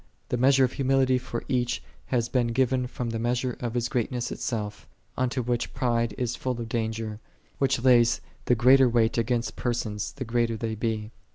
x The measure of humility for each hath been given from Ihe measure of his grealness itself: unto which pride is full of danger, which layeth the greater wait against persons the greater Ihey be.